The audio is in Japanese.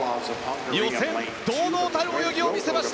予選堂々たる泳ぎを見せました。